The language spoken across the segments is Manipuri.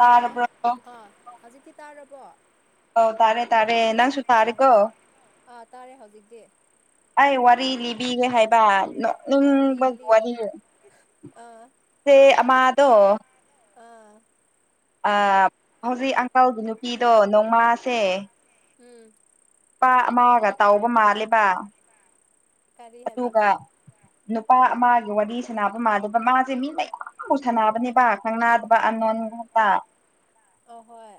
ꯍꯦꯜꯂꯣ ꯑꯥ ꯍꯧꯖꯤꯛꯇꯤ ꯇꯥꯔꯕꯣ ꯑꯧ ꯇꯥꯔꯦ ꯇꯥꯔꯦ ꯅꯪꯁꯨ ꯇꯥꯔꯦꯀꯣ ꯑꯥ ꯑꯥ ꯇꯥꯔꯦ ꯍꯧꯖꯤꯛꯇꯤ ꯑꯩ ꯋꯥꯔꯤ ꯂꯤꯕꯤꯒꯦ ꯍꯥꯏꯕ ꯑꯥ ꯅꯣꯛꯅꯤꯡꯕ ꯂꯤꯌꯨ ꯂꯤꯌꯨ ꯋꯥꯔꯤ ꯑꯥ UNINTELLIGIBLE ꯑꯃꯥꯗꯣ UNINTELLIGIBLE ꯑꯥ ꯑꯥ ꯍꯧꯖꯤꯛ ꯑꯪꯀꯜꯒꯤ ꯅꯨꯄꯤꯗꯣ ꯅꯣꯡꯃꯥꯁꯦ ꯎꯝ ꯅꯨꯄꯥ ꯑꯃꯒ ꯇꯧꯕ ꯃꯥꯜꯂꯦꯕ ꯀꯔꯤ ꯍꯥꯏꯕ ꯑꯗꯨꯒ ꯅꯨꯄꯥ ꯑꯃꯒꯤ ꯋꯥꯔꯤ ꯁꯅꯕ ꯃꯥꯜꯂꯦꯕ ꯃꯥꯁꯦ ꯃꯤ ꯃꯌꯥꯝ ꯁꯥꯟꯅꯕꯅꯦꯕ ꯈꯪꯅꯗꯕ ꯑꯟꯅꯣꯟ [unintelligible] ꯑꯧ ꯍꯣꯏ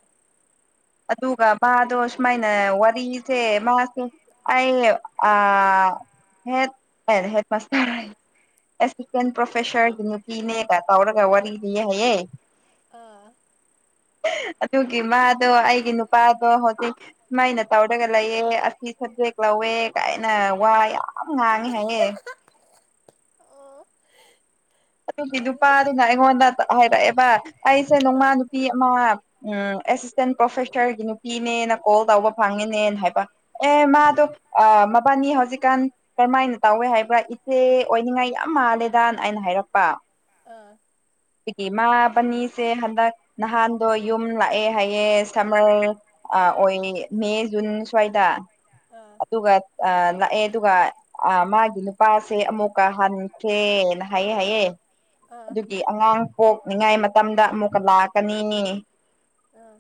ꯑꯗꯨꯒ ꯃꯥ ꯗꯣ ꯁꯨꯃꯥꯏꯅ ꯋꯥꯔꯤꯁꯦ ꯃꯥꯁꯦ ꯑꯩ ꯑꯥ ꯍꯦꯠ ꯍꯦꯠꯄ ꯁꯥꯔꯣꯏ ꯑꯦꯁꯤꯁꯇꯦꯟ ꯄ꯭ꯔꯣꯐꯦꯁꯔꯒꯤ ꯅꯨꯄꯤꯅꯦꯒ ꯇꯧꯔꯒ ꯋꯥꯔꯤ ꯂꯤꯌꯦ ꯍꯥꯏꯌꯦꯦ ꯑꯥ ꯑꯗꯨꯒꯤ ꯃꯥꯗꯣ ꯑꯩꯒꯤ ꯅꯨꯄꯥꯗꯣ ꯍꯧꯖꯤꯛ ꯃꯩꯅ ꯇꯧꯔꯒ ꯂꯩꯑ ꯑꯁꯤ ꯁꯕꯖꯦꯛ ꯂꯧꯋꯦ ꯀꯥꯏꯅ ꯋꯥ ꯌꯥꯝ ꯉꯥꯡꯉꯦ ꯍꯥꯏꯌꯦ ꯑꯣ ꯑꯗꯨꯒꯤ ꯃꯥꯅꯤ ꯅꯨꯄꯥꯗꯨꯅ ꯑꯩꯉꯣꯟꯗ ꯍꯥꯏꯔꯛꯑꯦꯕ ꯑꯩꯁꯦ ꯅꯣꯡꯃ ꯅꯨꯄꯤ ꯑꯃ ꯎꯝ ꯑꯦꯁꯤꯁꯇꯦꯟ ꯄ꯭ꯔꯣꯐꯦꯁꯔꯒꯤ ꯅꯨꯄꯤꯅꯦꯅ ꯀꯣꯜ ꯇꯧꯕ ꯐꯪꯉꯤꯅꯦꯅ ꯍꯥꯏꯕ ꯑꯦ ꯑꯥ ꯃꯥꯗꯣ ꯑꯥ ꯑ ꯃꯕꯥꯅꯤ ꯍꯧꯖꯤꯛꯀꯥꯟ ꯀꯔꯝꯍꯥꯏꯅ ꯇꯧꯋꯦ ꯍꯥꯏꯕ꯭ꯔꯥ ꯏꯆꯦ ꯑꯣꯏꯅꯤꯡꯉꯥꯏ ꯌꯥꯝ ꯃꯥꯜꯂꯦꯗꯅ ꯑꯩꯅ ꯍꯥꯏꯔꯝ ꯑꯥ UNINTELLIGIBLE ꯏ ꯃꯥꯕꯥꯅꯤꯁꯦ ꯍꯟꯗꯛ ꯅꯍꯥꯟꯗꯣ ꯌꯨꯝ ꯂꯥꯛꯑꯦ ꯍꯥꯏꯌꯦ ꯁꯝꯃꯔ ꯑ ꯑꯣꯏ ꯃꯦ ꯖꯨꯟ ꯁ꯭ꯋꯥꯏꯗ ꯑꯥ ꯑꯥ ꯑꯗꯨꯒ ꯑ ꯂꯥꯛꯑꯦ ꯑ ꯑꯗꯨꯒ ꯑ ꯃꯥꯒꯤ ꯅꯨꯄꯥꯁꯦ ꯑꯃꯨꯛꯀ ꯍꯟꯈ꯭ꯔꯦꯅ ꯍꯥꯏꯌꯦ ꯍꯥꯏꯑꯦ ꯑ ꯑꯗꯨꯒꯤ ꯑꯉꯥꯡ ꯄꯣꯛꯅꯤꯡꯉꯥꯏ ꯃꯇꯝꯗ ꯑꯃꯨꯛꯀ ꯂꯥꯛꯀꯅꯤꯅꯤ ꯑꯥ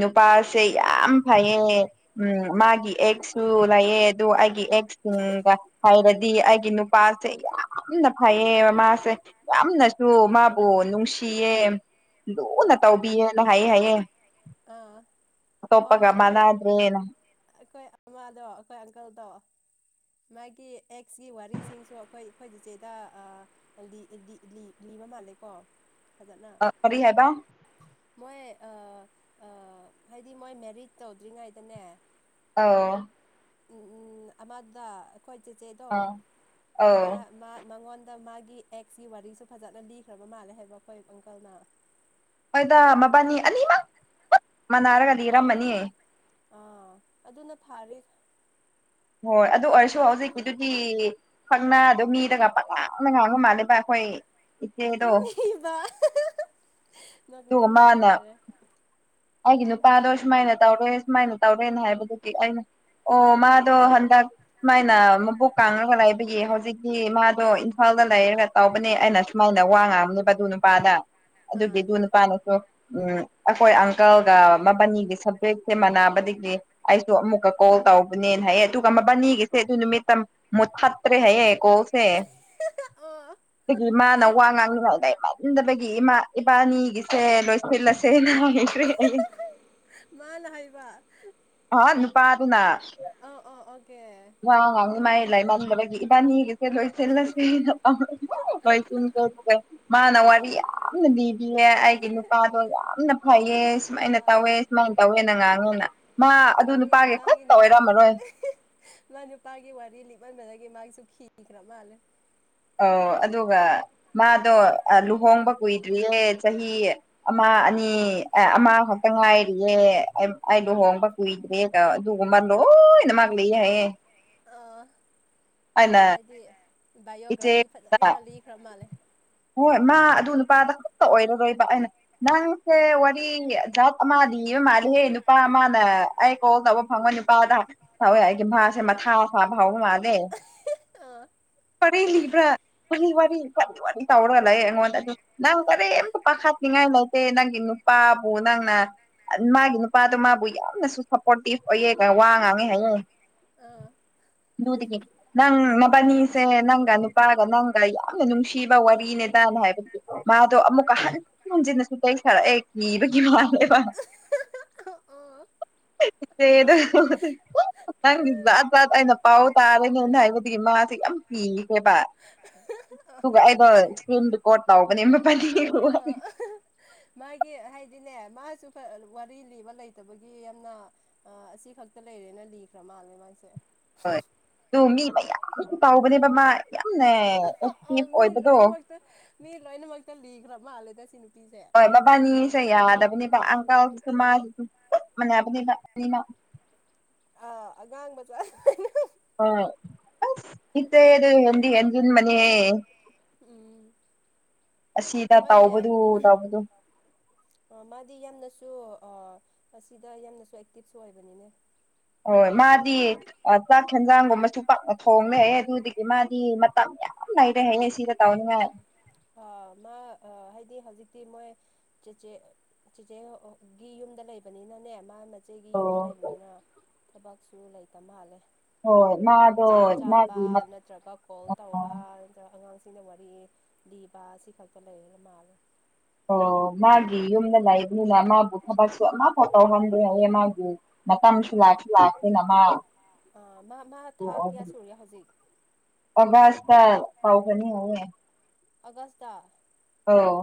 ꯅꯨꯄꯥꯁꯦ ꯌꯥꯝ ꯐꯩꯌꯦ ꯎꯝ ꯃꯥꯒꯤ ꯑꯦꯛꯁ ꯗꯨ ꯂꯩꯥꯑꯦ ꯑꯗꯨ ꯑꯩꯒꯤ ꯑꯦꯛꯁ ꯇꯨꯝꯒ ꯍꯩꯔꯗꯤ ꯑꯩꯒꯤ ꯅꯨꯄꯥꯁꯦ ꯌꯥꯝꯅ ꯐꯩꯌꯦ ꯃꯃꯥꯁꯦ ꯌꯥꯝꯅꯁꯨ ꯃꯥꯕꯨ ꯅꯨꯡꯁꯤꯌꯦꯝ ꯂꯨꯅ ꯑꯥ ꯇꯧꯕꯤꯌꯦꯅ ꯍꯥꯏꯌꯦ ꯍꯥꯏꯌꯦ ꯑꯥ ꯑꯣꯃꯥ ꯑꯇꯣꯞꯄꯒ ꯒꯤ ꯃꯥꯟꯅꯗ꯭ꯔꯦꯅ ꯑꯩꯩꯀꯣꯏ [unintelligible] ꯑꯩꯈꯣꯏ ꯑꯪꯀꯜ ꯗꯣ ꯃꯥꯒꯤ ꯑꯦꯛꯁꯀꯤ ꯋꯥꯔꯤꯁꯤꯡꯁꯨ ꯑꯩꯈꯣꯏ ꯑꯩꯈꯣꯏ ꯆꯤꯆꯦ ꯗ ꯑꯥ ꯍꯦꯜꯗꯤ ꯏꯜꯗꯤ ꯂꯤ ꯂꯤꯕꯥ ꯃꯥꯜꯂꯦ ꯀꯣ ꯐꯖꯅ ꯀꯥꯔꯤ ꯍꯥꯏꯕ ꯃꯣꯏ ꯑꯥ ꯑꯥ ꯍꯥꯏꯗꯤ ꯃꯣꯏ ꯃꯦꯔꯤꯠ ꯇꯧꯗ꯭ꯔꯤꯉꯩꯗꯅꯦ ꯑꯣ ꯎꯝ ꯎꯝ ꯑꯃꯗ ꯑꯩꯈꯣꯏ ꯆꯦꯆꯦꯗꯣ ꯑꯥ ꯑꯧ ꯃꯥ ꯃꯥ ꯃꯉꯣꯟꯗ ꯃꯥꯒꯤ ꯑꯦꯛꯁꯀꯤ ꯋꯥꯔꯤꯁꯨ ꯐꯖꯅ ꯂꯤꯈ꯭ꯔꯕ ꯃꯥꯜꯂꯦ ꯍꯥꯏꯕ ꯑꯩꯈꯣꯏ ꯑꯪꯀꯜꯅ ꯍꯣꯏꯗ ꯃꯕꯥꯟꯅꯤ ꯑꯅꯤꯃꯛ ꯄꯨꯠ ꯃꯥꯟꯅꯥꯔꯒ ꯂꯤꯔꯝꯃꯅꯤ ꯑꯥ ꯑꯗꯨꯅ ꯐꯥꯔꯤꯞ ꯍꯣꯏ ꯑꯗꯨ ꯑꯣꯏꯔꯁꯨ ꯍꯧꯖꯤꯛꯀꯤꯗꯨꯗꯤ ꯈꯛꯅ ꯑꯗꯨ ꯃꯤꯗꯒ ꯄꯛꯉ [unintelligible] ꯑꯗꯨꯅꯤꯕ ꯑꯗꯨꯒ ꯅꯣꯠꯅꯤꯡꯕꯅ ꯃꯥꯅ ꯂꯣꯏꯔꯦ ꯑꯩꯒꯤ ꯎꯝ ꯅꯨꯄꯥꯗꯣ ꯁꯨꯃꯥꯏꯅ ꯇꯧꯔꯦ ꯁꯨꯃꯥꯏꯅ ꯇꯧꯔꯦꯅꯦ ꯍꯥꯏꯕꯗꯨꯒꯤ ꯑꯩꯅ ꯑꯣ ꯃꯥꯗꯣ ꯍꯟꯗꯛ ꯁꯨꯃꯥꯏꯅ ꯃꯕꯨꯛ ꯀꯥꯡꯉꯒ ꯂꯩꯕꯒꯤ ꯍꯧꯖꯤꯛꯇꯤ ꯃꯥꯗꯣ ꯏꯝꯐꯥꯜꯗ ꯂꯩꯔꯒ ꯇꯧꯕꯅꯦ ꯑꯩꯅ ꯁꯨꯃꯥꯏꯅ ꯋꯥ ꯉꯥꯡꯕꯅꯦꯕ ꯑꯗꯨ ꯑꯥꯗ ꯑꯥ ꯑꯗꯨꯕꯤ ꯗꯨ ꯅꯨꯄꯥꯅꯤꯁꯨ ꯎꯝ ꯑꯩꯈꯣꯏ ꯀꯜꯒ ꯃꯕꯥꯟꯅꯤꯒꯤ ꯁꯕꯖꯦꯛꯁꯦ ꯃꯥꯟꯅꯕꯗꯒꯤ ꯑꯩꯁꯨ ꯑꯃꯨꯛꯀ ꯀꯣꯜ ꯇꯧꯕꯅꯦꯅ ꯍꯥꯏꯌꯦ ꯑꯗꯨꯒ ꯃꯕꯥꯟ ꯅꯤꯒꯤꯁꯦ ꯑꯗꯨ ꯅꯨꯃꯤꯠꯇ ꯃꯨꯊꯠ ꯇ꯭ꯔꯦ ꯍꯥꯏꯌꯦ ꯀꯣꯜ ꯁꯦ ꯑꯣ ꯑꯗꯒꯤ ꯃꯥꯅ ꯋꯥ ꯉꯥꯡꯉꯕ ꯍꯥꯏꯗ ꯏꯃꯥꯟꯗꯕꯒꯤ [unintelligible] ꯏꯃꯥ ꯏꯕꯥꯅꯤꯒꯤꯁꯦ ꯂꯣꯏꯁꯤꯜꯂꯁꯦ ꯅꯈ꯭ꯔꯔꯤ ꯃꯥꯅ ꯍꯩꯕ ꯑꯥꯍ ꯅꯨꯄꯥ ꯗꯨꯅ ꯑꯧ ꯑꯣ ꯑꯣꯀꯦ ꯋꯥ ꯉꯥꯡꯕ ꯃꯥꯏ ꯑꯣ ꯂꯥꯏ ꯃꯝꯕ ꯗꯒꯤ ꯏꯕꯥꯟꯅꯤꯒꯤ ꯂꫭꫭꯏꯁꯤꯜꯂꯁ‌ꯦ [unintelligible] ꯃꯥꯅ ꯋꯥꯔꯤ ꯌꯥꯝꯅ ꯂꯤ ꯏꯌꯦ ꯑꯩꯒꯤ ꯅꯨꯄꯥꯗꯣ ꯌꯥꯝꯅ ꯐꯩꯌꯦ ꯁꯨꯃꯥꯏꯅ ꯇꯧꯋꯦ ꯑꯥ ꯁꯨꯃꯏꯅ ꯇꯧꯋꯦꯅ ꯉꯥꯡꯉꯦꯅ ꯃꯥ ꯑꯗꯨ ꯅꯨꯄꯥꯒꯤ ꯍꯨꯠꯇ ꯑꫭꯏꯔꯝꯃꯔꯣꯏ ꯅꯪ ꯅꯨꯄꯥꯒꯤ ꯋꯥꯔꯤ ꯂꯤꯃꯟꯕꯗꯒꯤ ꯃꯥꯏꯁꯨ ꯈꯤꯈ꯭ꯔ ꯃꯥꯜꯂꯦ ꯑꯧ ꯑꯗꯨꯒ ꯃꯥꯗꯣ ꯑ ꯂꯨꯍꯣꯡꯕ ꯎꯝ ꯀꯨꯏꯗ꯭ꯔꯤꯌꯦ ꯆꯍꯤ ꯑꯃ ꯑꯅꯤ ꯑꯦ ꯑꯃ ꯈꯛꯇꯪ ꯉꯥꯏꯔꯤꯌꯦ ꯑꯩ ꯂꯨꯍꯣꯡꯕ ꯀꯨꯏꯗ꯭ꯔꯦ ꯗꯨꯒꯨꯝꯕ ꯂꯣꯏꯅꯥꯃꯛ ꯂꯩꯌꯦ ꯍꯥꯌꯦ ꯑꯥ ꯑꯩꯗꯤ ꯏꯆꯦ ꯕꯥꯏꯑꯣꯒ꯭ꯔꯥꯐꯤ ꯐꯖꯅ ꯂꯤꯈ꯭ꯔ ꯃꯥꯜꯂꯦ ꯍꯣꯏ ꯃꯥ ꯑꯗꯨ ꯅꯨꯄꯥꯗ ꯈꯛꯇ ꯑꯣꯏꯔꯔꯣꯏꯕ ꯑꯩꯅ ꯅꯪꯁꯦ ꯋꯥꯔꯤ ꯖꯥꯠ ꯑꯃ ꯂꯤꯕ ꯃꯥꯜꯂꯤꯍꯦ ꯅꯨꯄꯥ ꯑꯃꯅ ꯑꯩ ꯀꯣꯜ ꯇꯧꯕ ꯐꯪꯕ ꯅꯨꯄꯥꯗ ꯇꯧꯋꯦ ꯑꯩꯒꯤ ꯑꯥ ꯃꯥꯁꯦ ꯃꯊꯥ ꯐꯥ ꯐꯥꯎꯕ ꯃꯥꯜꯂꯦ ꯑꯥ ꯋꯥꯔꯤ ꯂꯤꯕ꯭ꯔꯥ ꯋꯥꯔꯤ ꯋꯥꯔꯤ ꯋ-ꯋꯥꯔꯤ ꯇꯧꯔꯒ ꯂꯩꯌꯦ ꯑꯩꯉꯣꯟꯗ ꯑꯗꯨ ꯅꯪ ꯀꯔꯤꯝꯇ ꯄꯥꯈꯠ ꯅꯤꯡꯉꯥꯏ ꯂꯩ ꯇꯦ ꯅꯪꯒꯤ ꯅꯨꯄꯥꯕꯨ ꯅꯪꯅ ꯃꯥꯒꯤ ꯅꯨꯄꯥꯗꯣ ꯃꯥꯕꯨ ꯌꯥꯝꯅꯁꯨ ꯁꯞꯄꯣꯔꯇꯤꯞ ꯑꯣꯏꯌꯦ ꯒ ꯋꯥꯉꯥꯡ ꯍꯥꯏ ꯑꯥ ꯑꯗꯨꯗꯒꯤ ꯅꯪ ꯃꯄꯅꯤ ꯁꯦ ꯅꯪꯒ ꯅꯨꯄꯥꯒ ꯅꯪꯒ ꯌꯥꯝꯅ ꯅꯨꯡꯁꯤꯕ ꯋꯥꯔꯤꯅꯦꯗꯅ ꯍꯥꯏꯕ ꯃꯥꯗꯣ ꯑꯃꯨꯛꯀ ꯍꯟꯖꯤꯟꯅꯁꯨ ꯂꯩ ꯁꯥꯔꯛꯑꯦ ꯀꯤꯕꯒꯤ ꯃꯥꯜꯂꯦꯕ ꯑꯥ [unintelligible] ꯅꯪꯗꯤ ꯖꯥꯠ ꯖꯥꯠ ꯑꯩꯅ ꯄꯥꯎ ꯇꯥꯔꯦꯅ ꯍꯥꯏꯕꯗꯤ ꯃꯥꯁꯦ ꯌꯥꯝ ꯀꯤꯈꯔꯕ ꯑꯗꯨꯒ ꯑꯩꯗꯣ ꯏꯁꯀ꯭ꯔꯤꯟ ꯔꯤꯀꯣꯠ ꯇꯧꯕꯅꯦ ꯃꫭꯏꯕꯥꯅꯤ ꯑꯥ ꯃꯥꯒꯤ ꯍꯥꯏꯗꯤꯅꯦ ꯃꯥꯁꯨ ꯀ ꯋꯥꯔꯤ ꯂꯤꯕ ꯂꯩꯇꯕꯒꯤ ꯌꯥꯝꯅ ꯑ ꯑꯁꯤ ꯈꯛꯇ ꯂꯩꯔꯦꯅ ꯂꯤꯈꯔꯥ ꯃꯥꯜꯂꯦ ꯃꯥꯥꯏꯁꯦ ꯍꯣꯏ ꯑꯗꯨ ꯃꯤ ꯃꯌꯥꯝ ꯀꯥꯎꯕꯅꯦꯕ ꯃꯥ ꯌꯥꯝꯅ ꯑꯣ ꯑꯦꯛꯇꯦꯛ ꯃꯤ ꯑꯣꯏꯕꯗꯣ꯫ ꯂꯣꯏꯅꯃꯛꯇ ꯃꯤ ꯂꯣꯏꯅ ꯃꯛꯇ ꯂꯤꯈ꯭ꯔ ꯃꯥꯜꯂꯦ ꯁꯤ ꯅꯨꯞ꯫ ꯍꯣꯏ ꯃꯕꯟꯅꯤꯁꯦ ꯌꯥꯗꯕꯅꯦꯕ ꯑꯪꯀꯜꯁꯤꯁꯨ ꯃꯥꯒꯤꯁꯨ ꯆꯞꯃꯟꯅꯕꯅꯦꯕ ꯑꯅꯤꯃꯛ꯫ ꯑꯥ ꯑꯉꯥꯡ ꯃꯆꯥ ꯂꯣꯏꯅꯧ꯫ ꯍꯣꯏ ꯑꯁ ꯈꯤꯠꯇꯦ ꯗꯨ ꯍꯦꯟꯗꯤ ꯍꯟꯖꯟꯕꯅꯤꯍꯦ꯫ ꯑꯦ ꯎꯝ꯫ ꯑꯁꯤꯗ ꯍꯣꯏꯅꯦ ꯇꯥꯎꯕꯗꯨ ꯇꯥꯎꯕꯗꯨ꯫ ꯃꯥꯗꯤ ꯌꯥꯝꯅꯁꯨ ꯑ ꯃꯁꯤꯗ ꯌꯥꯝꯅꯁꯨ ꯑꯦꯛꯇꯤꯞꯁꯨ ꯑꯣꯏꯕꯅꯤꯅꯦ꯫ ꯍꯣꯏ ꯃꯥꯗꯤ ꯆꯥꯛ ꯍꯦꯟꯖꯥꯡꯒꯨꯝꯕꯁꯨ ꯄꯥꯛꯅ ꯊꯣꯡꯃꯦ ꯑꯗꯨꯗꯒꯤ ꯃꯥꯗꯤ ꯃꯇꯝ ꯌꯥꯝ꯫ ꯑꯝ ꯂꯩꯔꯦꯍꯦ ꯁꯤꯗ꯫ ꯇꯧꯅꯤꯡꯉꯥꯏ ꯑ ꯃꯥ ꯑ ꯍꯥꯏꯗꯤ ꯍꯧꯖꯤꯛꯇꯤ ꯃꯣꯏ꯫ ꯆꯦꯆꯦ ꯆꯦꯆꯦꯒꯤ ꯌꯨꯝꯗ ꯂꯩꯕꯅꯤꯅꯅꯦ ꯃꯥ꯫ ꯆꯦꯒꯤ ꯌꯨꯝꯗ ꯑꯣ ꯂꯩꯕꯅꯤꯅ ꯊꯕꯛꯁꯨ ꯂꯩꯇ ꯃꯥꯜꯂꯦ꯫ ꯍꯣꯏ ꯃꯥꯗꯣ ꯆꯥꯛ ꯆꯥꯕ ꯃꯥꯒꯤ ꯅꯠꯇ꯭ꯔꯒ ꯀꯣꯜ ꯇꯧꯕ ꯅꯠꯇ꯭ꯔꯒ ꯑꯉꯥꯡꯁꯦꯟ ꯁꯤꯅ ꯋꯥꯔꯤ ꯂꯤꯕ ꯁꯤ ꯈꯛꯇ ꯂꯩꯒꯔ ꯃꯥꯜꯂꯦ꯫ ꯑꯣ ꯃꯥꯒꯤ ꯌꯨꯝꯗ ꯂꯩꯥꯕꯅꯤꯅ ꯃꯥꯕꯨ ꯊꯕꯛꯁꯨ ꯑꯃ ꯐꯥꯎ ꯇꯧꯍꯟꯗꯦ ꯍꯥꯏꯌꯦ ꯃꯥꯒꯤ꯫ ꯃꯇꯝꯁꯨ ꯑꯥ ꯂꯥꯛꯁꯨ ꯂꯥꯛꯈ꯭ꯔꯦꯅ ꯃꯥ ꯑꯣ ꯑꯥ ꯃꯥ ꯃꯥ ꯊꯥ ꯀꯌꯥ ꯑꯗꯨꯒꯤ꯫ ꯁꯨꯔꯦ ꯍꯧꯖꯤꯛ ꯑꯒꯁ ꯇꯥ ꯇꯧꯒꯅꯤ ꯍꯥꯏꯌꯦ꯫ ꯑꯒꯁꯇ꯫ ꯑꯣ꯫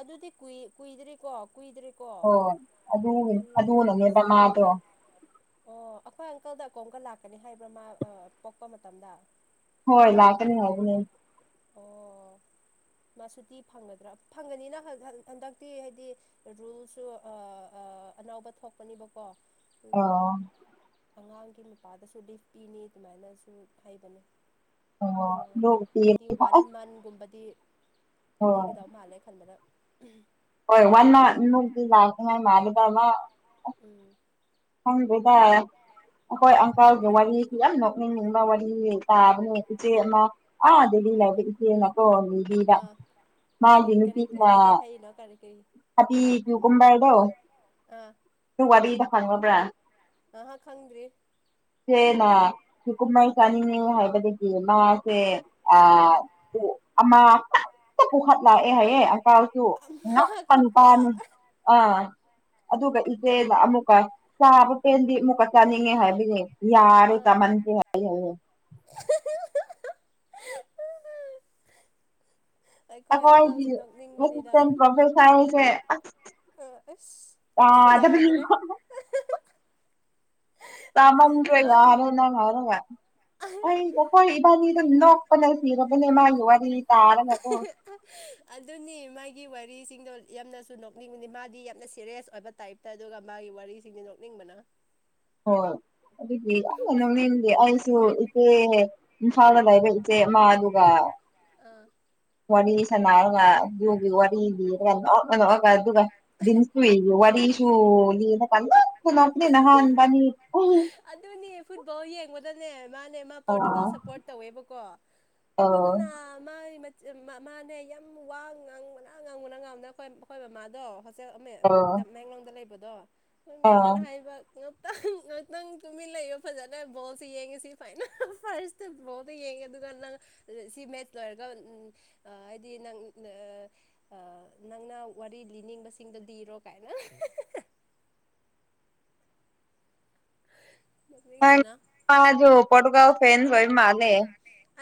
ꯑꯗꯨꯗꯤ ꯀꯨꯏ ꯀꯨꯏꯗ꯭ꯔꯦꯀꯣ ꯀꯨꯏꯗ꯭ꯔꯦ꯫ ꯀꯣ ꯍꯣꯏ ꯑꯗꯨ ꯗꯤ ꯑꯗꯨꯅꯅꯦꯕ ꯑꯁꯤ ꯃꯥꯗꯣ ꯍꯟꯗꯛ꯫ ꯑꯣ ꯑꯩꯈꯣꯏ ꯑꯪꯀꯜꯗ ꯀꯣꯝꯀꯟ ꯂꯥꯛꯀꯅꯤ ꯍꯥꯏꯕ꯭ꯔꯥ ꯃꯥ ꯑ ꯄꯣꯛꯄ ꯃꯇꯝꯗ꯫ ꯍꯣꯏ ꯂꯥꯛꯀꯅꯤ ꯍꯥꯏꯕꯅꯦ꯫ ꯑꯣ꯫ ꯉꯁꯤꯗꯤ ꯐꯪꯒꯗ꯭ꯔꯥ ꯐꯪꯒꯅꯤꯅ ꯍꯟꯗꯛꯇꯤ ꯍꯥꯏꯗꯤ ꯔꯨꯜꯁꯨ ꯑ ꯑ ꯑꯅꯧꯕ ꯊꯣꯛꯄꯅꯦꯕꯀꯣ ꯑꯗꯨꯅ ꯑꯣ ꯑꯉꯥꯡꯒꯤ ꯃꯄꯥꯗꯁꯨ ꯂꯤꯐ ꯄꯤꯅꯤ ꯑꯗꯨꯃꯥꯏꯅꯁꯨ ꯍꯥꯏꯕꯅꯤ ꯑꯣ ꯀꯩꯅꯣ ꯂꯣꯛ ꯄꯤ ꯍꯥꯏꯗꯤ ꯑꯁ ꯋꯥꯟ ꯃꯟꯒꯨꯝꯕꯗꯤ ꯍꯣꯏ ꯄꯤꯒꯗꯧ ꯃꯥꯜꯂꯦ ꯈꯟꯕꯗ ꯍꯣꯏ ꯋꯥꯟ ꯃꯟ [unintelligible] ꯎꯝ ꯈꯪꯗ꯭ꯔꯦꯗ ꯑꯩꯈꯣꯏ ꯑꯪꯀꯜꯒꯤ ꯋꯥꯔꯤꯁꯤ ꯌꯥꯝ ꯅꯣꯛꯅꯤꯡ ꯕ ꯋꯥꯔꯤ ꯇꯥꯕꯅꯦ ꯏꯆꯦ ꯑꯃ ꯑꯥ ꯗꯦꯜꯂꯤ ꯂꯩꯕ ꯏꯆꯦ ꯑꯃ ꯀꯣ ꯂꯤꯕꯥ ꯑꯥ ꯀꯔꯤ ꯃꯥꯒꯤ ꯀꯔꯤ ꯅꯨꯄꯤꯅꯥ ꯀꯩ ꯀꯩ ꯍꯥꯏꯔꯤꯅꯣ ꯀꯔꯤ ꯀꯔꯤ ꯊꯥꯕꯤ ꯀꯨꯀꯨꯝꯕꯔꯗꯣ ꯑꯥ ꯗꯨ ꯋꯥꯔꯤꯗꯣ ꯈꯪꯉꯕ꯭ꯔꯥ ꯉꯥꯏꯍꯥꯛ ꯈꯪꯗ꯭ꯔꯤ ꯏꯆꯦꯅ ꯀꯨꯀꯨꯝꯃꯔ ꯆꯥꯅꯤꯡꯉꯦ ꯍꯥꯏꯕꯗꯒꯤ ꯃꯥꯁꯦ ꯑꯥ ꯄꯨ ꯑꯃ ꯄꯠ ꯇ ꯄꯨꯈꯠ ꯂꯥꯛꯑꯦ ꯍꯥꯏꯌꯦ ꯑꯆꯥꯔꯁꯨ ꯑꯃ ꯉꯛꯄ ꯈꯛꯇ ꯅꯨꯄꯥꯅꯤ ꯑꯥ ꯑꯗꯨꯒ ꯏꯆꯦꯗ ꯑꯃꯨꯛꯀ ꯆꯥꯕ ꯍꯦꯟꯗꯤ ꯑꯃꯨꯛꯀ ꯆꯥꯅꯤꯡꯉꯦ ꯍꯥꯏꯕꯅꯦ ꯌꯥꯔꯣ ꯑꯥ ꯇꯝꯍꯟꯁꯦ ꯍꯥꯏ ꯍꯥꯏꯌꯦ꯫ ꯑꯩꯈꯣꯏ ꯑꯣ ꯍꯥꯏꯗꯤ ꯑꯪꯀꯜꯁꯨ ꯅꯣꯛꯅꯤꯡꯕꯅꯤꯗ ꯑꯦꯁꯤꯁꯇꯦꯟ ꯄ꯭ꯔꯐꯦꯁꯥꯔꯁꯦ ꯑꯁ ꯑꯁ ꯫ ꯌꯥꯗ꯭ꯔꯦ ꯇꯥꯗꯕꯅꯤꯈ ꯇꯥꯃꯟꯗꯔ꯭ꯦ ꯃꯥ ꯌꯥꯔꯦ ꯅꯡ ꯍꯥꯏꯔꯒ ꯫ ꯑꯩ ꯑꯩꯈꯣꯏ ꯏꯕꯥꯅꯤꯗꯣ ꯅꯣꯛꯄꯅ ꯁꯤꯔꯕꯅꯦ ꯃꯥꯒꯤ ꯋꯥꯔꯤ ꯇꯥꯔꯒꯀꯣ꯫ ꯑꯗꯨꯅꯤ ꯃꯥꯒꯤ ꯋꯥꯔꯤꯁꯤꯡꯗꯣ ꯌꯥꯝꯅꯁꯨ ꯅꯣꯛꯅꯤꯡꯕꯅꯤ ꯃꯥꯗꯤ ꯌꯥꯝꯅ ꯁꯦꯔꯤꯌꯁ ꯑꯣꯏꯕ ꯇꯥꯏꯞ ꯇ ꯑꯗꯨꯒ ꯃꯥꯒꯤ ꯋꯥꯔꯤꯁꯤꯡꯁꯦ ꯅꯣꯛꯅꯤꯡꯕꯅꯥ ꯫ ꯍꯣꯏ ꯑꯗꯨꯒꯤ ꯌꯥꯝꯅ ꯅꯣꯛꯅꯤꯡꯒꯤ ꯑꯩꯁꯨ ꯏꯆꯦ ꯏꯝꯐꯥꯜꯗ ꯂꯩꯕ ꯏ ꯆꯦ ꯑꯃꯥꯗꯨꯨꯒꯥ ꯑꯥ ꯋꯥꯔꯤ ꯁꯅꯥꯔꯒ ꯌꯨꯒꯤ ꯋꯥꯔꯤ ꯂꯤꯔꯒ ꯅꯣꯛꯅ ꯅꯣꯛꯑꯒ ꯑꯗꯨꯒ꯫ ꯗꯤꯟꯁꯨ [unintelligible] ꯋꯥꯔꯤꯁꯨꯨ ꯂꯤꯔꯒ ꯅꯣꯛꯄ ꯅꯣꯛꯄꯅꯦ ꯅꯍꯥꯟ ꯏꯕꯥꯟꯅꯤ ꯑꯗꯨꯅꯦ ꯐꯨꯠꯕꯣꯜ ꯌꯦꯡ ꯕꯗꯅꯦ ꯃꯥꯅꯦ ꯃꯥ ꯄꯣꯔꯇꯨꯒꯜ ꯑꯥ ꯁꯞꯄꯣꯔꯠ ꯇꯧꯋꯦꯕꯀꯣ ꯑꯥ ꯑꯗꯨꯅ ꯃꯥꯏ ꯃ ꯃꯃꯥꯅꯦ ꯌꯥꯝ ꯋꯥ ꯉꯥꯡꯕꯅ ꯉꯥꯡꯕꯅ ꯉꯥꯡꯕꯅ ꯑꯩꯈꯣꯏ ꯑꯩꯈꯣꯏ ꯃꯃꯥꯗꯣ꯫ ꯆ ꯑꯃꯦ ꯎꯝ ꯑꯥ ꯇꯃꯦꯡꯂꯣꯡꯗ ꯂꯩꯕꯗꯣ ꯈꯣꯏ ꯑꯥ ꯃꯃꯥꯅ ꯍꯥꯏꯕ ꯉꯥꯛꯇꯪ ꯉꯥꯛꯇꯪ ꯇꯨꯃꯤꯟ ꯂꯩꯌꯣ ꯐꯖꯅ ꯕꯣꯜꯁꯤ ꯌꯦꯡꯉꯤꯁꯤ ꯐꯥꯏꯅꯦꯜ ꯐꯥꯔꯁ ꯫ ꯇꯪ ꯕꯣꯜꯗꯣ ꯌꯦꯡꯉꯦ ꯑꯗꯨꯒ ꯅꯪ ꯁꯤ ꯃꯦꯠꯁ ꯂꯣꯏꯔꯒ ꯎꯟ ꯑ ꯍꯥꯏꯗꯤ ꯅꯪ ꯅꯥ ꯫ ꯑꯥ ꯅꯪꯅ ꯋꯥꯔꯤ ꯂꯤꯅꯤꯡꯕꯁꯤꯡꯗꯣ ꯂꯤꯔꯣ ꯀꯥꯏꯅ ꯫ ꯅꯣꯛꯅꯤꯡꯕꯅ ꯫ ꯄꯥꯗꯣ ꯄꯣꯔꯇꯨꯒꯜ ꯐꯦꯟꯁ ꯑꯣꯏꯕ ꯃꯥꯜꯂꯦ ꯫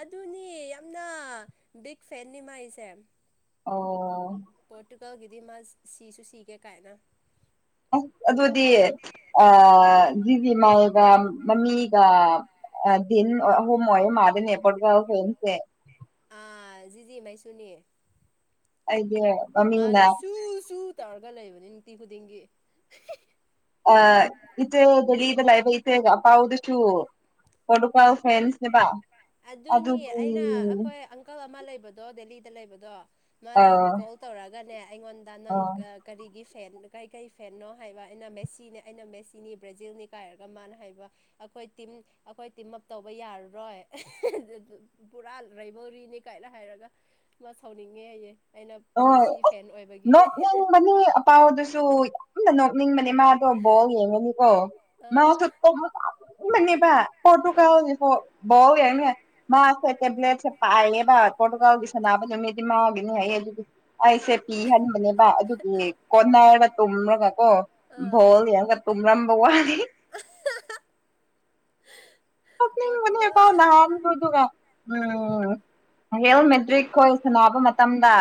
ꯑꯗꯨꯅꯤ ꯌꯥꯝꯅ ꯕꯤꯛ ꯐꯦꯟꯅꯤ ꯃꯥꯏꯁꯦ ꯑꯣ ꯄꯣꯔꯇꯨꯒꯜꯒꯤꯗꯤ ꯃꯥ ꯁꯤꯁꯨ ꯁꯤꯒꯦ ꯀꯥꯏꯅ꯫ ꯑꯁ ꯑꯗꯨꯗꯤ ꯑꯥ ꯖꯤꯖꯤꯃꯥꯏꯜꯒ ꯃꯃꯤꯒ꯫ ꯑ ꯗꯤꯟ ꯑꯍꯨꯝ ꯑꯣꯏꯕ ꯃꯥꯜꯂꯦꯅꯦ ꯄꯣꯔꯇꯨꯒꯜ ꯐꯦꯟꯁꯦ꯫ ꯑꯥ ꯖꯤꯖꯤ ꯃꯩꯁꯨꯅꯤ꯫ ꯑꯩꯗꯤ ꯃꯃꯤꯅ ꯃꯥꯅ ꯁꯨ ꯁꯨ ꯇꯧꯔꯒ ꯂꯩꯕꯅꯦ ꯅꯨꯡꯇꯤ ꯈꯨꯗꯤꯡꯒꯤ꯫ ꯑ ꯏꯆꯦ ꯗꯦꯂꯤꯗ ꯂꯥꯏꯕ ꯏꯆꯦꯒ ꯑꯄꯥꯎꯗꯨꯁꯨ ꯄꯣꯔꯇꯨꯒꯜ ꯐꯦꯟꯁ ꯅꯦꯕꯥ ꯫ ꯑꯗꯨꯅꯤ ꯑꯩꯅ ꯑꯈꯣꯏ ꯑꯡ ꯀꯜ ꯑꯃ ꯂꯩꯕꯗꯣ ꯗꯦꯂꯤꯗ ꯂꯩꯕꯗꯣ ꯃꯥꯅ ꯑꯥ ꯀꯣꯜ ꯇꯧꯔꯛꯑꯒꯅꯦ ꯑꯩꯉꯣꯟꯗ ꯅꯪ ꯑꯥ ꯀꯔꯤꯒꯤ ꯐꯦꯟ ꯀꯔꯤ ꯀꯔꯤ ꯐꯦꯟꯅꯣ ꯍꯥꯏꯕ ꯑꯩꯅ ꯃꯦꯁꯤꯅꯦ ꯑꯩꯅ ꯃꯦꯁꯤꯅꯤ ꯕ꯭ꯔꯥꯖꯤꯜꯅꯤ ꯀꯥꯏꯔꯒ ꯃꯥꯅ ꯍꯥꯏꯕ꯫ ꯑꯈꯣꯏ ꯇꯤꯝ ꯑꯈꯣꯏ ꯇꯤꯝ ꯑꯞ ꯇꯧꯕ ꯌꯥꯔꯔꯣꯏ꯫ ꯄꯨꯔꯥ ꯔꯥꯏꯕꯦꯜꯔꯤꯅꯤ ꯀꯥꯏꯅ ꯍꯥꯏꯔꯒ ꯃꯥ ꯁꯥꯎꯅꯤꯡꯉꯦ ꯍꯥꯏꯌꯦ꯫ ꯑꯩꯅ ꯍꯣꯏ ꯃꯦꯁꯤ ꯐꯦꯟ ꯑꯣꯏꯕꯒꯤ ꯄꯥꯎꯗꯁꯨ ꯑꯝꯇ ꯅꯣꯛꯅꯤꯡꯕꯅꯦ ꯃꯥꯗꯣ ꯕꯣꯜ ꯌꯦꯡꯒꯅꯤꯀꯣ ꯑꯥ ꯃꯥꯁꯨ ꯑꯥ [unintelligible] ꯃꯥꯁꯦ ꯇꯦꯕ꯭ꯂꯦꯠꯁꯦ ꯄꯥꯏꯑꯌꯦꯕ ꯑꯥ ꯄꯣꯇꯨꯀꯜꯒꯤ ꯁꯥꯟꯅꯥꯅꯕ ꯅꯨꯃꯤꯠꯗꯤ ꯃꯥꯒꯤꯅꯦ ꯍꯥꯏꯌꯦ ꯑꯗꯨꯗꯤ ꯑꯩꯁꯦ ꯑꯥ ꯄꯤꯍꯟꯕꯅꯦꯕ ꯑꯗꯨꯒꯤ ꯑꯥ ꯀꯣꯟꯅꯔꯔ ꯇꯨꯝꯔꯒ ꯀꯣ ꯑꯥ ꯕꯣꯜ ꯌꯦꯡꯒ ꯇꯣꯡꯔꯝꯕ ꯋꯥꯅꯤ ꯄꯣꯔꯇꯨꯒꯜ ꯀꯞꯅꯤꯡꯕꯅꯦꯕ ꯅꯍꯥꯟꯃꯨꯛ ꯑꯗꯨꯒ ꯎꯝ ꯔꯤꯌꯦꯜ ꯃꯦꯇ꯭ꯔꯤꯛ ꯈꯣꯏ ꯁꯅꯕ ꯃꯇꯝꯗ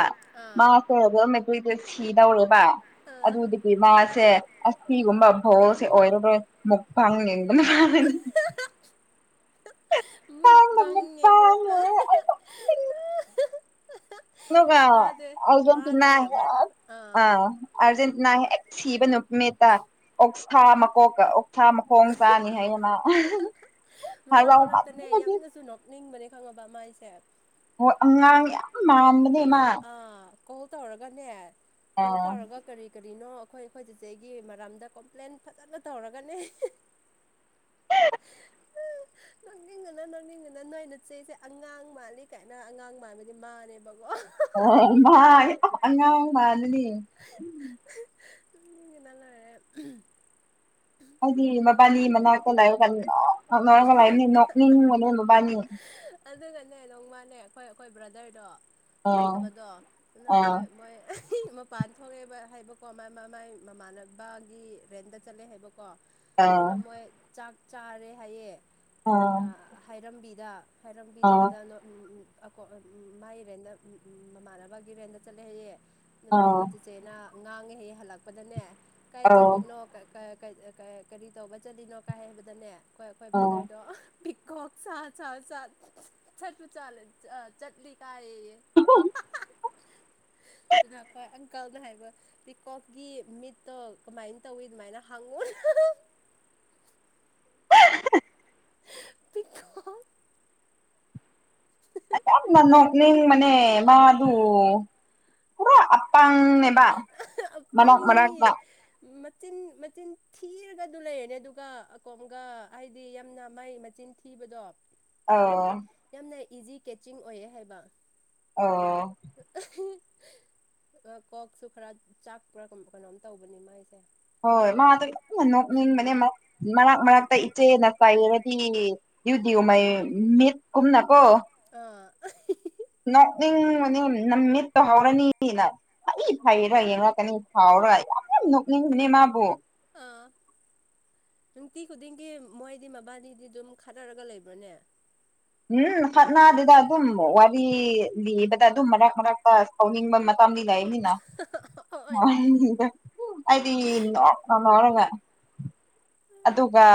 ꯑꯥ ꯃꯥꯎ ꯑꯩꯈꯣꯏꯔꯥꯝ ꯃꯇꯦꯛꯁꯤ ꯁꯤꯗꯧꯔꯦꯕ ꯑꯥ ꯑꯗꯨꯗꯤ ꯕꯤ ꯃꯥꯁꯦ ꯑꯁꯤꯒꯨꯝꯕ ꯚꯣꯁꯦ ꯑꯣꯏꯔꯔꯣꯏ ꯃꯨꯛ ꯐꯪꯅꯤꯡꯗꯅꯅꯤ [unintelligible] ꯃꯥꯁꯦ ꯃꯥꯗꯅꯦ ꯑꯥ [unintelligible] ꯑꯥ ꯑꯥꯔꯖꯦꯟꯇꯤꯅꯥ ꯍꯦꯛ ꯁꯤꯕ ꯅꯨꯠꯇ ꯑꯣꯛꯁꯊꯥ ꯃꯀꯣꯛ ꯀꯛꯑꯣ ꯁꯥ ꯃꯈꯣꯡ ꯆꯥꯅꯤ ꯍꯥꯏꯌꯦ ꯃ ꯃꯔꯛ ꯃꯔꯛꯇꯅꯦ ꯌꯥꯝꯅꯁꯨ ꯅꯣꯛꯅꯤꯡꯕꯅꯦ ꯈꯪꯉꯕ ꯃꯥꯏꯁꯦ ꯑꯣ ꯑꯉꯥꯡ ꯌꯥꯝ ꯃꯥꯥꯟꯕꯅꯦ ꯃꯥ ꯑꯥ ꯀꯣꯜ ꯇꯧꯔꯒꯅꯦ ꯀꯣꯜ ꯑꯥ ꯇꯧꯔꯒ ꯀꯔꯤ ꯀꯔꯤꯅꯣ ꯑꯩꯈꯣꯏ ꯑꯩꯈꯣꯏ ꯆꯤꯆꯦꯒꯤ ꯃꯔꯝꯗ ꯀꯣꯝꯄ꯭ꯂꯦꯟ ꯐꯖꯅ ꯇꯧꯔꯒꯅꯦ ꯅꯣꯛꯅꯤꯡꯕꯅ ꯅꯣꯛꯅꯤꯡꯕꯅ ꯅꯣꯏ ꯅꯆꯦꯁꯦ ꯑꯉꯥꯡ ꯃꯥꯜꯂꯤ ꯀꯥꯏꯅ ꯑꯉꯥꯡ ꯃꯥꯥꯟꯕꯗꯤ ꯃꯥꯅꯦꯕꯀꯣ ꯑꯣ ꯃꯥ ꯑꯉꯥꯡ ꯃꯥꯟꯕꯅꯤ ꯅꯣꯛꯅꯤꯡꯕꯅꯥ ꯂꯣꯏꯔꯦ ꯑꯩꯗꯤ ꯃꯕꯥꯅꯤ ꯃꯅꯛꯇ ꯂꯥꯏꯔꯒ ꯅꯣꯛ ꯅꯛꯅꯔꯒ ꯂꯩꯔꯒ ꯅꯣꯛꯅꯤꯡꯕꯅꯦ ꯃꯕꯥꯅꯤ ꯑꯗꯨꯅꯅꯦ ꯅꯣꯡꯃꯅꯦ ꯑꯩꯈꯣꯏ ꯑꯩꯈꯣꯏ ꯕ꯭ꯔꯗꯔꯗꯣ ꯑꯥ ꯐꯠꯇꯕꯗꯣ ꯑꯗꯨꯅ ꯑꯥ ꯃꯣꯏ ꯃꯣꯏ ꯃꯄꯥꯟ ꯊꯣꯛꯑꯦꯕ ꯍꯥꯏꯕꯀꯣ ꯃꯥꯏ ꯃꯥꯏ ꯃꯃꯥꯟꯅꯕꯒꯤ ꯔꯦꯟꯗ ꯆꯠꯂꯦ ꯍꯥꯏꯕꯀꯣ ꯑꯥ ꯑꯗꯨꯅ ꯃꯣꯏ ꯆꯥꯛ ꯆꯥꯔꯦ ꯍꯥꯏꯌꯦ ꯑꯥ ꯍꯥꯏꯔꯝꯕꯤꯗ ꯑꯥ ꯍꯥꯏꯔꯝꯕꯤꯗꯕꯗ ꯅꯣ ꯎꯝ ꯎꯝ ꯑꯀꯣ ꯃꯥꯏ ꯔꯦꯟꯗ ꯎꯝ ꯃꯃꯥꯟꯅꯕꯒꯤ ꯔꯦꯟꯗ ꯆꯠꯂꯦ ꯍꯥꯏꯌꯦ ꯑꯗꯨꯅ ꯑꯥ ꯑꯩꯈꯣꯏ ꯆꯠꯆꯦꯅ ꯉꯥꯡꯉꯦꯍꯦꯛ ꯍꯜꯂꯛꯄꯗꯅꯦ ꯀꯔꯤ ꯑꯧ ꯆꯠꯂꯤꯅꯣ ꯀꯥ ꯀꯥ ꯀꯔꯤ ꯇꯧꯕ ꯆꯠꯂꯤꯅꯣ ꯀꯥꯏ ꯍꯥꯏꯕꯗꯅꯦ ꯑꯩꯈꯣꯏ ꯑꯩꯈꯣꯏ ꯑꯧ ꯕ꯭ꯔꯗꯔꯗꯣ ꯇꯤꯛꯀꯣꯛ ꯁꯥ ꯆꯥ ꯆꯥ ꯆꯠꯂꯨ ꯁꯥꯏ ꯑꯥ ꯆꯠꯂꯤ ꯀꯥꯏꯌꯦ ꯑꯗꯨꯈꯣꯏ ꯑꯪꯀꯜꯅ ꯍꯥꯏꯕ ꯄꯤꯀꯣꯛꯀꯤ ꯃꯤꯠꯇꯣ ꯀꯃꯥꯏꯅ ꯇꯧꯋꯤ ꯑꯗꯨꯃꯥꯏꯅ ꯍꯥꯡꯉꯣ ꯄꯤꯀꯣꯛ ꯌꯥꯝꯅ ꯅꯣꯛꯅꯤꯡ ꯃꯅꯦ ꯃꯥꯗꯨ ꯄꯨꯔꯥ ꯑꯞꯄꯪꯅꯦꯕ ꯌꯥꯝ ꯃꯔꯛ ꯄꯪꯅꯤ ꯃꯔꯛꯇ ꯃꯆꯤꯟ ꯃꯆꯤꯟ ꯊꯤꯔꯒ ꯑꯗꯨ ꯂꯩꯔꯅꯦ ꯑꯗꯨꯒ ꯑꯀꯣꯝꯒ ꯍꯥꯏꯗꯤ ꯌꯥꯝꯅ ꯃꯥꯏ ꯃꯆꯤꯟ ꯊꯤꯕꯗꯣ ꯑꯧ ꯌꯥꯝꯅ ꯏꯖꯤ ꯀꯦꯠꯆꯤꯡ ꯑꯣꯏꯌꯦ ꯍꯥꯏꯕ ꯑꯣ [unintelligible] ꯑꯥ ꯀꯣꯛꯁꯨ ꯈꯔ ꯆꯥꯛꯄ꯭ꯔꯥ ꯀꯩꯅꯣꯝ ꯇꯧꯕꯅꯤ ꯃꯥꯏꯁꯦ ꯍꯣꯏ ꯃꯥꯗꯣ ꯌꯥꯝꯅ ꯅꯣꯛꯅꯤꯡꯕꯅꯦ ꯃꯔꯛ ꯃꯔꯛꯇ ꯏꯆꯦꯅ ꯆꯥꯏꯔꯗꯤ ꯌꯨꯗꯤꯌꯣ ꯃꯥꯏ ꯃꯤꯠꯀꯨꯝꯅ ꯀꯣ ꯑꯥ ꯅꯣꯛꯅꯤꯡ ꯃꯅꯤꯡ ꯅ ꯃꯤꯠꯇ ꯍꯧꯔꯅꯤꯅ ꯐꯩ ꯐꯩꯔꯥ ꯌꯦꯡꯂꯛꯀꯅꯤ ꯊꯥꯎꯔ ꯌꯥꯝ ꯌꯥꯝ ꯅꯣꯛꯅꯤꯡꯕꯅꯦ ꯃꯥꯕꯨ ꯑꯥ ꯅꯨꯡꯇꯤ ꯈꯨꯗꯤꯡꯒꯤ ꯃꯣꯏꯗꯤ ꯃꯕꯥꯅꯤꯗꯤ ꯑꯗꯨꯝ ꯈꯠꯅꯔꯒ ꯂꯩꯕ꯭ꯔꯅꯦ ꯎꯝ ꯈꯠꯅꯗꯦꯗ ꯑꯗꯨꯝ ꯋꯥꯔꯤ ꯂꯤꯕꯗ ꯑꯗꯨꯝ ꯃꯔꯛ ꯃꯔꯛꯇ ꯁꯥꯎꯅꯤꯡꯕ ꯃꯇꯥꯡꯗꯤ ꯂꯩꯥꯕꯅꯤꯅ ꯎꯝ ꯑꯩꯗꯤ ꯅꯣꯛꯄ ꯑꯗꯨꯒ